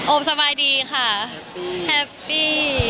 สบายดีค่ะแฮปปี้